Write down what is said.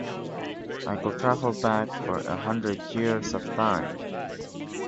I could travel back for a hundred years of time.